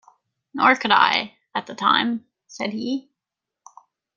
"Nor could I — at the time," said he.